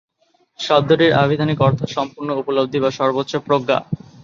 শব্দটির আভিধানিক অর্থ সম্পূর্ণ উপলব্ধি বা সর্বোচ্চ প্রজ্ঞা।